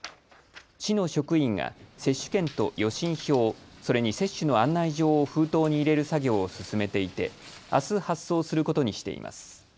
市の職員が接種券と予診票、それに接種の案内状を封筒に入れる作業を進めていてあす発送することにしています。